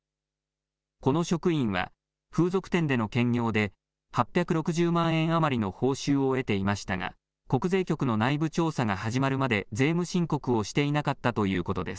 この職員は、風俗店での兼業で８６０万円余りの報酬を得ていましたが、国税局の内部調査が始まるまで税務申告をしていなかったということです。